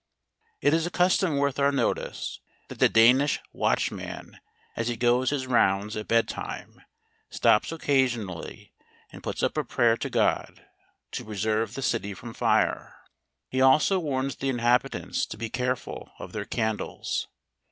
It is a custom worth our notice, that the Da¬ nish watchman, as he goes his rounds at bed¬ time, stops occasionally, and puts up a prayer to God, to preserve the city from fire. He also warns the inhabitants to be careful of their can¬ dles.